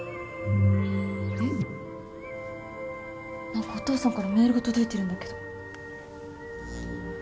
何かお父さんからメールが届いてるんだけど。